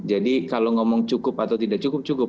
jadi kalau ngomong cukup atau tidak cukup cukup